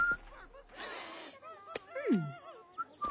うん。